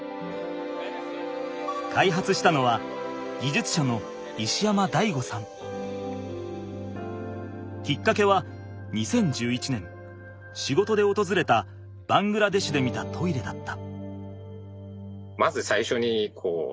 開発したのはきっかけは２０１１年仕事でおとずれたバングラデシュで見たトイレだった。